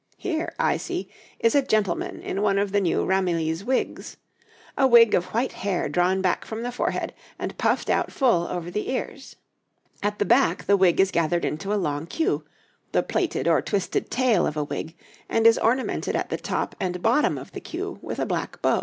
Here, I see, is a gentleman in one of the new Ramillies wigs a wig of white hair drawn back from the forehead and puffed out full over the ears. At the back the wig is gathered into a long queue, the plaited or twisted tail of a wig, and is ornamented at the top and bottom of the queue with a black bow.